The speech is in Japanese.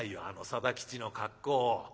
あの定吉の格好を。